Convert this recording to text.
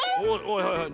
はいはい。